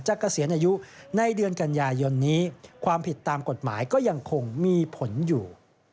เกษียณอายุในเดือนกันยายนนี้ความผิดตามกฎหมายก็ยังคงมีผลอยู่